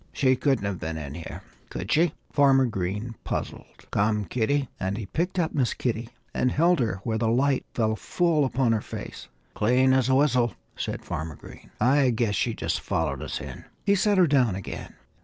"She couldn't have been in here, could she?" Farmer Green puzzled. "Come, Kitty!" And he picked up Miss Kitty and held her where the light fell full upon her face. "Clean as a whistle!" said Farmer Green. "I guess she just followed us in." He set her down again.